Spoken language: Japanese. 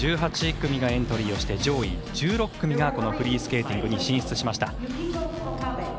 １８組がエントリーをして上位１６組がこのフリースケーティングに進出しました。